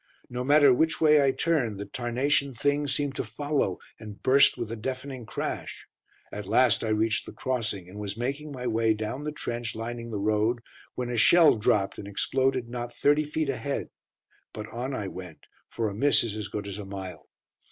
No matter which way I turned, the tarnation things seemed to follow and burst with a deafening crash. At last, I reached the crossing, and was making my way down the trench lining the road, when a shell dropped and exploded not thirty feet ahead. But on I went, for a miss is as good as a mile.